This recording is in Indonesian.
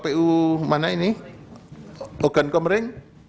bagaimana ini ogan komering